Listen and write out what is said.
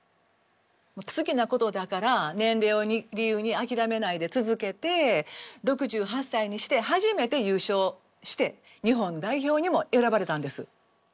好きなことだから年齢を理由に諦めないで続けて６８歳にして初めて優勝して日本代表にも選ばれたんです。